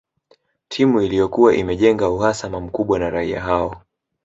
Timu Iliyokuwa imejenga uhasama mkubwa na raia hao